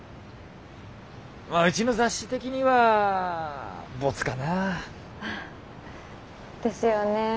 まあうちの雑誌的にはボツかな。ですよね。